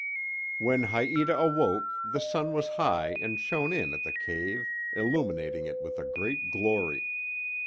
When Haïta awoke the sun was high and shone in at the cave, illuminating it with a great glory.